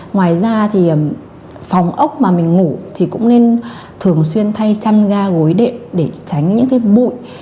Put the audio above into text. ngoài ra thì phòng ốc mà mình ngủ thì cũng nên thường xuyên thay chăn ga gối đệm để tránh những cái bụi